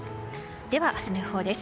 では、明日の予報です。